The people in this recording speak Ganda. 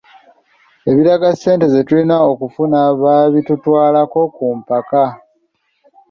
Ebiraga ssente ze tulina okufuna baabitutwalako ku mpaka.